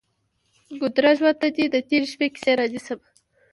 ګودره! ژوند ته دې د تیرې شپې کیسې رانیسم